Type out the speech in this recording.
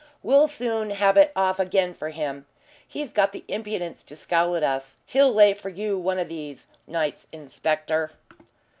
We'll soon have it off again for him. He's got the impudence to scowl at us. He'll lay for you one of these nights, Inspector."